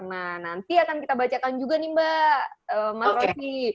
nah nanti akan kita bacakan juga nih mbak mas rocky